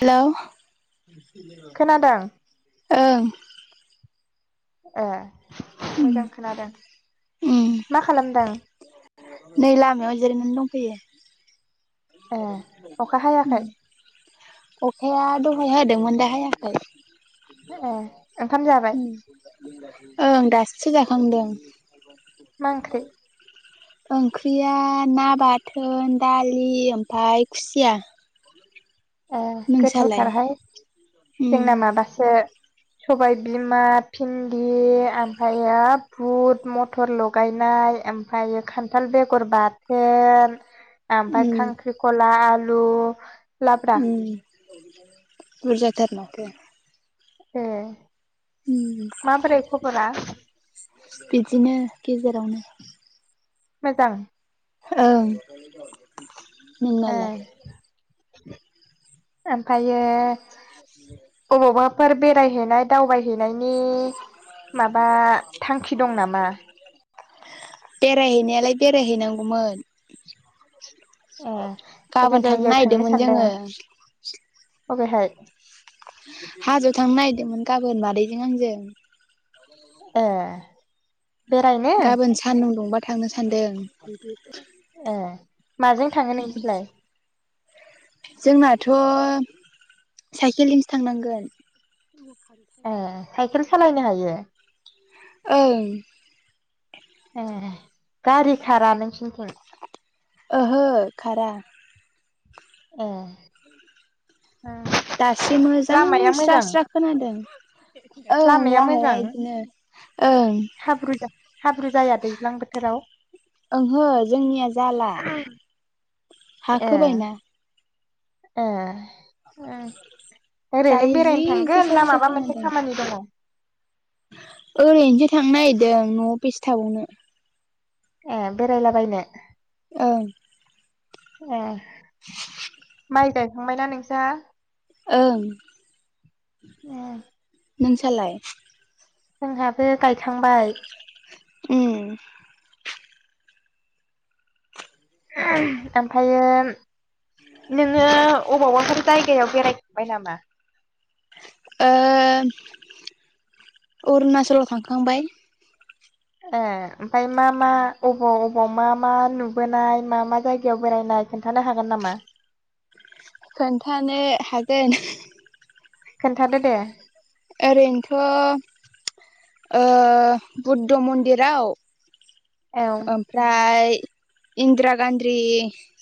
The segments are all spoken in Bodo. हेल' [inaudible] खोनादों ओं। ए उम मोजां खोनादों उम मा खालामदों? नै लामायाव जिरायनानै दंफैयो। ए अखा हायाखै [inaudible] अखाया दहाय होदोंमोन दा हायाखै। ए ओंखाम जाबाय [inaudible] ओं दासो जाखांदों। [inaudible] मा ओंख्रि ओंख्रिया ना बाथोन दालि ओमफाय खुसिया। ए नोंसालाय गोथावथारहाय उम जोंना माबासो सबाइ बिमा भिन्दि ओमफायो फुट मथर लगायनाय ओमफ्रायो खान्थाल बेगर बाथोन ओमफाय उम खांख्रिखला आलु। लाब्रा उम बुरजाथार माथो। ए उम माबोरै खबरा [inaudible] बिदिनो गेजेरावनो मोजां। ओं ए नोंनालाय ओमफायो अबावबाफोर बेरायहैनाय दावबाय हैनायनि माबा थांखि दं नामा? बेरायहैनायालाय बेरायहैनांगौमोन। ए बबे गाबोन जायगायाव थांनो नागिरदोंमोन सानदों जोङो अबेहाय? हाजोआव थांनो नागिरदोंमोन गाबोन मादैजों आंजों। ए बेरायनो गाबोन सान्दुं दुंबा थांनो सान्दों। ए माजों थाङो नोंसोरलाय? थ' साइकेलजोंसो थांनांगोन। ए साइकेल सालायनो हायो? ओं ए गारि खारा नोंसिनिथिं? ओहो खारा। ए दासो मोजां लामाया स्रा मोजां स्रा खोनादों ओं लामाया इदिनो। ओं हाब्रु जा हाब्रु जाया दैज्लां बोथोराव? ओहो जोंनिया जाला हा ए खोबायना। ए ओं ओरैनो दायो जि बेरायनो थांगोन गोसा ना गोसा माबा मोनसे खोनादों खामानि दङ? ओरैनोसो थांनो नागिरदों न'आव बेसे थाबावनो। ए बेरायलाबायनो औ एह माइ गायखांबायना नोंसाहा ओं ए नोंसालाय जोंहाबो गायखांबाय उम ओमफ्रायायो नोङो अबावबाफोर जायगायाव बेरायखांबाय नामा ओ अरुनाचलाव थांखांबाय ए ओमफाय मा मा अबाव अबाव मा मा नुबोनाय मा मा जायगायाव बेरायनाय खोन्थानो हागोन नामा खोन्थानो हागोन खोन्थादो दे ओरैनोथ बुद्ध मन्दिराव औ ओमफ्राय इन्द्रा गान्द्रि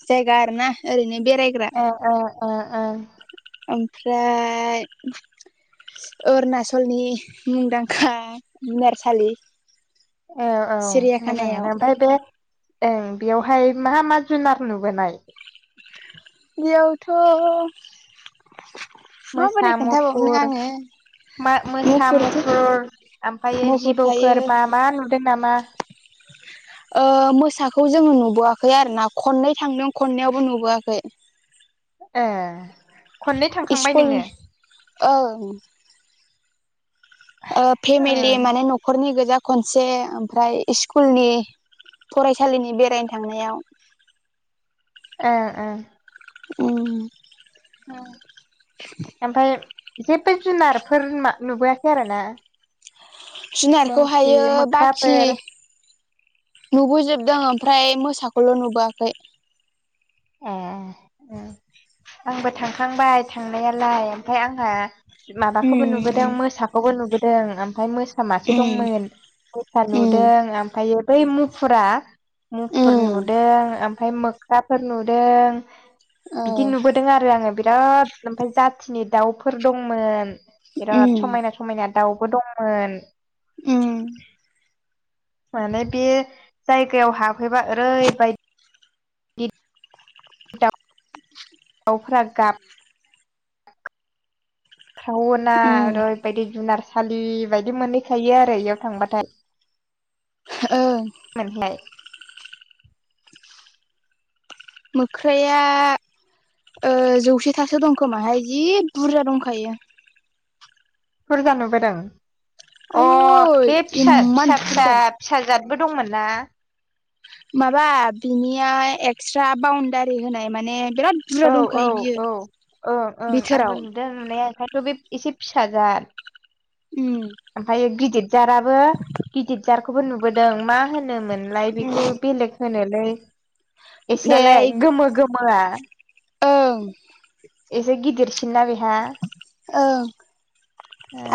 जायगा आरो ना ओरैनो बेरायग्रा ओ ओ ओ ओमफ्राय अरुणाचलनि मुंदांखा जुनारसालि औ औ सिरियाखानायाव मोजाङानो ओमफाय बे ओं बेवहाय मा मा जुनार नुबोनाय बेयावथ मोसा माबोरै खोन्थाबावनो मुफुर आङो मा मोसा मुफुर मुसुर ओमफायो मुफुर थायो जिबौफोर मा मा नुदों नामा ओ मोसाखौ जोङो नुबोआखै आरोना खननै थांदों खननैयाबो नुबोआखै ए खननै थांखांबाय स्कुल नोङो ओं ओ फेमिलि माने नखरनि गोजा खनसे ओमफ्राय स्कुलनि फरायसालिनि बेरायनो थांनायाव ओ ओ उम ओमफाय जेबो जुनारफोर मा नुबोयाखै आरो ना मंकि जुनारखौहायो बाखि मोख्राफोर नुबोजोबदों ओमफ्राय मोसाखौल नुबोआखै ए आंबो थांखांबाय थांनायालाय ओमफाय आंहा माबाखौबो उम नुबोदों मोसाखौबो नुबोदों ओमफाय मो सा मासे उम दंमोन मोसा उम नुदों ओमफायो बै मुफुरा मुफुर उम नुदों ओमफाय मोख्राफोर नुदों उम ओ बिदि नुबोदों आरो आङो बिराद ओमफाय जाथिनि दाउफोर दंमोन बिराद उम समायना समायना दाउबो दंअमोन उम माने बे जायगायाव हाबफैबा ओरैबायदि दब दाउफोरा गाब ख्रावोना उम आरैबायदि जुनार थालि बायदि मोनहैखायो आरो बेयाव थांबाथाय ओं मोनालाय मोख्राया ओ जौसेथासो दंखोमाहाय जि बुरजा दंखायो बुरजा नुबायदों अ आयु बे फिसा इमान फिसा फिसा बुरजा फिसाजाद बो दंमोन ना माबा बिनिया एक्सट्रा बाउणडारि होनाय माने बिराद औ बुरजा औ दंखायो बियो औ ओं ओं आंबो बिथोराव नुदों नुनाया ओंखायनो बे एसे फिसाजाद उम ओमफ्रायो गिदिर जाराबो गिदिर जारखौबो नुबोदों मा होनोमोनलाय उम बेखौ बेलेग होनो लै एसे दालाय गोमो गोमोआ ओं एसे गिदिरसिना बेहा ओं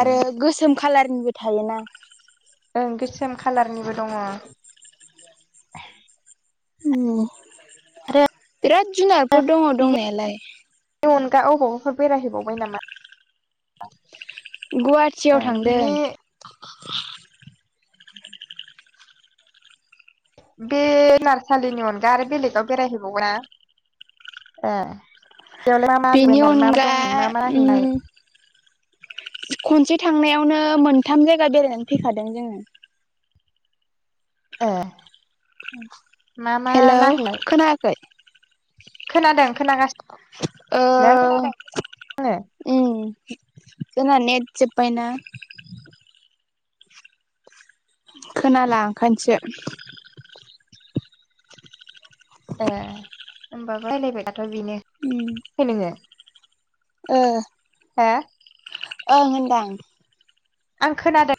आरो गोसोम खालारनिबो थायोना ओं गोसोम खालारनिबो दङ बिराद जुनारफोर दङ बिनि दंनायालाय अनगा अबावबाफोर बेरायहैबावबाय नामा गुहाटियाव ओं थांदों बिनि बे नारसालिनि अनगा आरो बेलेगाव बेरायहैबावोना ए बेयावलाय मा मा बेनि होनोनाय मा अनगा दंमोन मा मा हैनाय उम खनसे थांनायावनो मोनथाम जायगा बेरायनानै फैखादों जोङो ए मा मा हेलौ नायहैलाय खोनायाखै खोनादों खोनागास ओ [unintelligible] जोंहा नेेट जोबबायना खोनाला ओंखायसो उम [unintelligible] ओ हा ओं होनदां आं खोनादों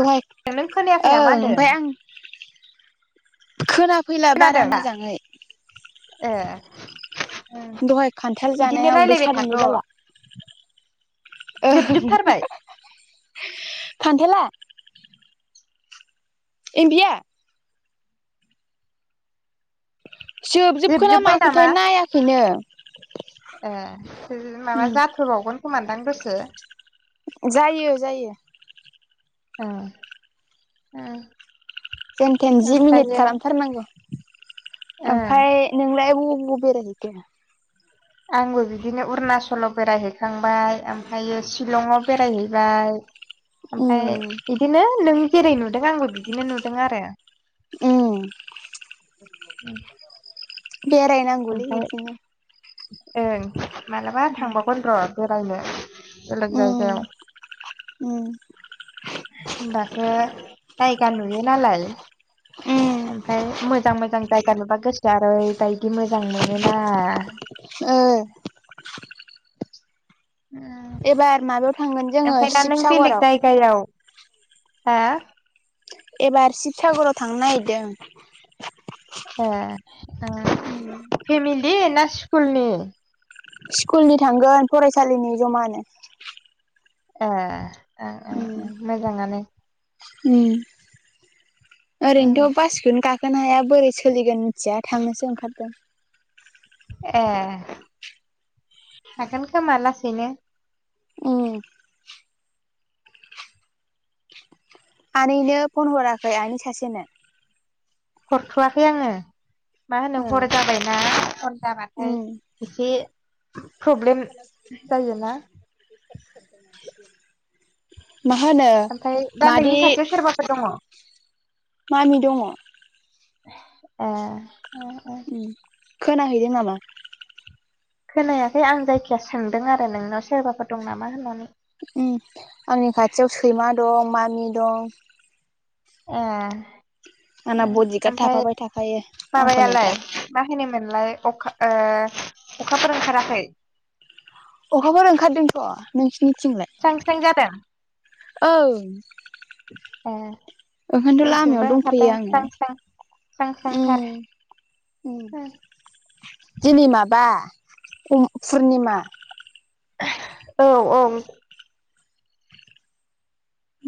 दहाय नों खोनायाखै नामा ओं आमफाय होनदों आं खोना फैला बारा खोनादों दा मोजाङै ए ओं। दहाय खान्थाल बिदिनो जानाया उदै रायलायबाय थाथ' सादोंलै बाला जोबजोबथारबाय खान्थाला इमबिया जोबजोबखोना जोबजोब्बाय माखोथाय नामा नायाखैनो ए बि उम माबा जाथोबावगोन खोमानदांदसो जायो जायो उम उम जेन थेन जि मिनिट खालामथारनांगौ ओं ओमफ्राय नोंलाय ब [unintelligible] आंबो बिदिनो अरुनाचलाव बेरायहैखांबाय ओमफ्रायो शिलंआव बेरायहैबाय ओमफ्राय उम बिदिनो नों जेरै नुदों आंबो बिदिनो नुदों आरो औ बेराय नांगुलै ओमफ्राय इखायनो ओं मालाबा थांबावगोन र' बेरायनो उम बास गाय गानयो नालाय उम ओमफफ्राय मोजां मोजां जायगा नुबा गोसो आरो दाय बिदि मोजां मोनोना ओ एबार माबायाव थांगोन जोङो ओमफ्राय ना नों बेलेग शिबसागराव जायगायाव हा एबार शिबसागराव थांनो नागिरदों। फेमेलि ना स्कुलनि? स्कुलनि थांगोन फरायसालिनि जमानो। ए उम मोजाङानो। ओं ओरैनोथ' बासिखौनो गाखो खोनो हाया बोरै सोलिगोन मिथिया थांनोसो ओंखारदों। ए हागोन खोमा लासैनो। औ आनैनो फन हराखै आनि सासेनो। हरथ'वाखै आङो। मा होनो ओ हर जाबायना हर उम जाबाथाय एसे प्रब्लेम जायोना [unintelligible] मा होनो ओमफ्राय दा नोंनि मादै खाथियाव सोरबाफोर दङ मामि दङ। ए ओ ओ खोनाहैदों नामा? खोनायाखै आं जायखिया सोंदों आरो नोंनाव सोरबाफोर दं नामा होननानै। आंनि खाथियाव सैमा दं मामि दं। ओ आंना बडिगार्ड ओमफ्राय थाफाबाय थाखायो आंखौ माबायालाय नेग्रा मा होनो मोनलाय खा अखाफोर ओंखाराखै। अखाफोर ओखारदोंथ' नों। स्रां स्रां जादों। औ ए ओंखायथ' लामायाव जोंथिंबो दंफैयो ओंखारदों आङो। स्रां स्रां स्रां स्रांथार ओम औ दिनै माबा। पुर्निमा औ औ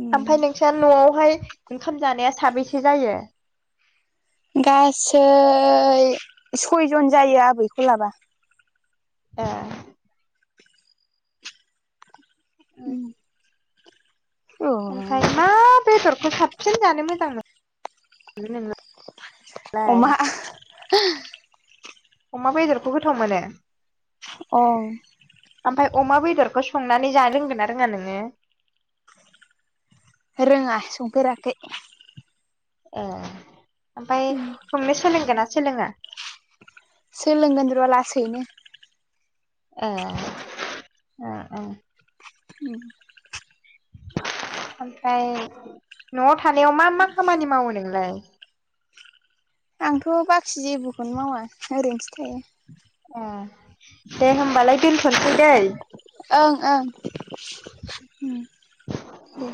उम ओमफ्राय नोंस्रा न'आवहाय ओंखाम जानाया साबैसे जायो? गासै सयजन जायो आबैखौ लाबा। ए उ ओमफ्राय मा बेदरखौ साबसिन जानो मोजां मोन नो नोंलाय? अमा [unintelligible] अमा बेदरखौ गोथाव मोनो। औ ओमफ्राय अमा बेदरखौ संनानै जानो रोंगोन ना रोङा नोङो? रोङा संफेराखै। ए ओमफाय संनो सोलोंगोन ना सोलोङा? सोलोंगोन र' लासैनो। ओ‌-ओ‌-ओ उम ओमफ्राय न'आव थानायाव मा मा खामानि मावो नोंलाय? आंथ' बाखि जेबोखौनो मावा ओरैनोसो थायो। ए दे होनो बालाय दोनथ'नोसै दै। ओं उ दे